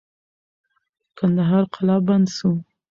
کندهار قلابند سو.